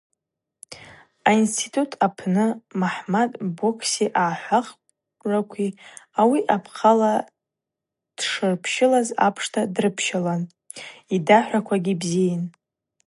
Аинститут апынгьи Мухӏамад бокси агӏахӏвракви ауи апхъала дшырпщылаз апшта дырпщылан, йдахӏвраквагьи бзийын.